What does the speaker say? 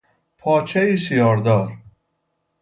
پارچهای شیاردار